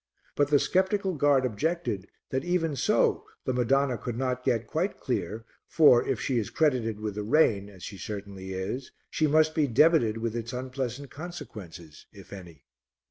But the sceptical guard objected that even so the Madonna could not get quite clear, for, if she is credited with the rain, as she certainly is, she must be debited with its unpleasant consequences, if any.